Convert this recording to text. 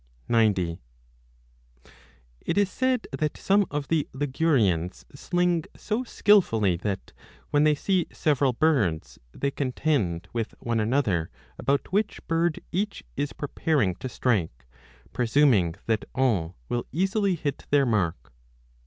90 It is said that some of the Ligurians sling so skilfully that, when they see several birds, they contend with one another about which bird each is preparing to strike, pre suming that all will easily hit their mark.